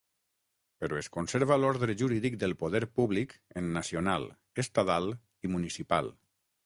Però es conserva l'ordre jurídic del poder públic en nacional, estadal i municipal.